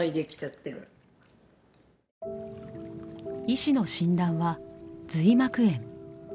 医師の診断は髄膜炎。